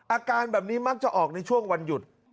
อาการแบบนี้มักจะออกในช่วงวันหยุด